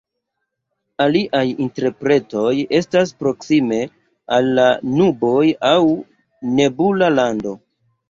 Aliaj interpretoj estas "proksime al la nuboj" aŭ "nebula lando".